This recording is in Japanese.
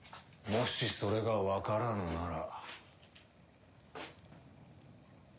もしそれが分からぬなら。